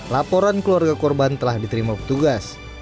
laporan keluarga korban telah diterima petugas